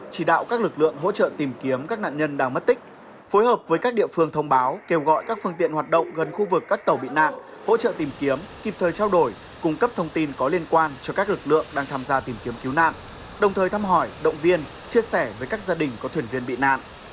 tổ chức tìm kiếm đã phối hợp với các địa phương thông báo kêu gọi các phương tiện hoạt động gần khu vực các tàu bị nạn hỗ trợ tìm kiếm kịp thời trao đổi cung cấp thông tin có liên quan cho các lực lượng đang tham gia tìm kiếm cứu nạn đồng thời thăm hỏi động viên chia sẻ với các gia đình có thuyền viên bị nạn